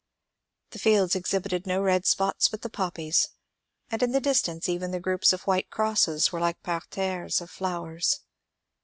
The fields exhibited no red spots but the poppies, and in the distance even the groups of white crosses were like parterres of flowers.